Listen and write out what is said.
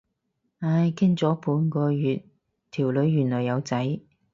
唉，傾咗半個月，條女原來有仔。